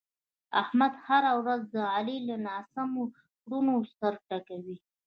احمد هره ورځ د علي له ناسمو کړنو سر ټکوي.